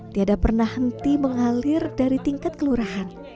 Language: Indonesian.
tiada pernah henti mengalir dari tingkat kelurahan